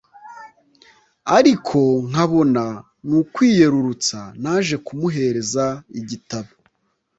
ariko nkabona nukwiyerurutsa naje kumuhereza igitabo